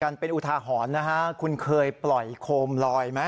กันเป็นอุทาหรณ์นะฮะคุณเคยปล่อยโคมลอยไหม